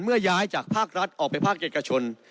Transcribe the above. เมื่อย้ายจากภาครัฐออกไปภาคเอกชน